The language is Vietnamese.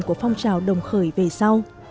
của phong trào đồng khởi về sau